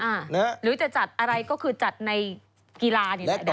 อ่าหรือจะจัดอะไรก็คือจัดในกีฬาเนี่ยได้